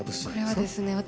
これはですね